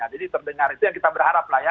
jadi terdengar itu yang kita berharap lah ya